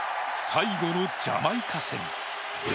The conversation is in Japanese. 最後のジャマイカ戦。